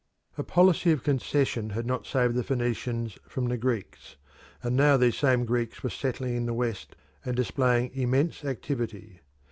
A policy of concession had not saved the Phoenicians from the Greeks, and now these same Greeks were settling in the West and displaying immense activity.